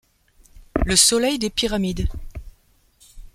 Le soleil des Pyramides !